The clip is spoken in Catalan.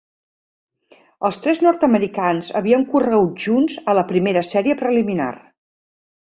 Els tres nord-americans havien corregut junts a la primera sèrie preliminar.